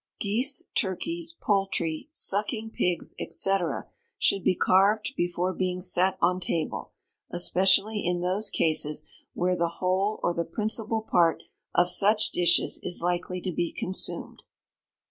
Geese, Turkeys, Poultry, Sucking pigs, &c., should be CARVED BEFORE BEING SET ON TABLE; especially in those cases where the whole or the principal part of such dishes is likely to be consumed.